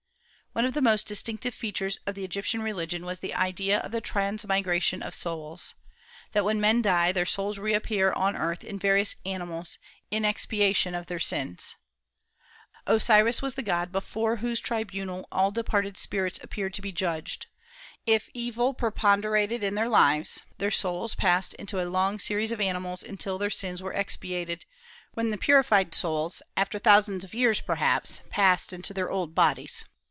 One of the most distinctive features of the Egyptian religion was the idea of the transmigration of souls, that when men die; their souls reappear on earth in various animals, in expiation of their sins. Osiris was the god before whose tribunal all departed spirits appeared to be judged. If evil preponderated in their lives, their souls passed into a long series of animals until their sins were expiated, when the purified souls, after thousands of years perhaps, passed into their old bodies.